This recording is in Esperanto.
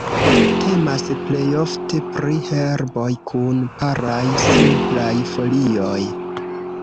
Temas plejofte pri herboj kun paraj, simplaj folioj.